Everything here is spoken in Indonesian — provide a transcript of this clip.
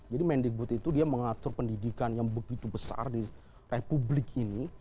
jadi wamen digbud itu dia mengatur pendidikan yang begitu besar di republik ini